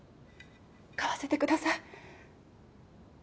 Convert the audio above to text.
買わせてください。